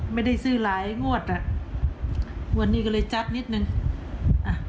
ไม่ได้ซื้อหลายงวดอ่ะงวดนี้ก็เลยจัดนิดนึงอ่ะ